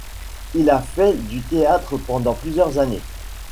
Il a fait du théâtre pendant plusieurs années.